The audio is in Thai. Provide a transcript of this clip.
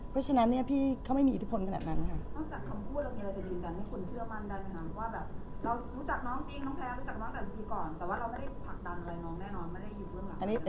เพราะฉะนั้นเนี่ยพี่เขาไม่มีอิทธิพลขนาดนั้นค่ะ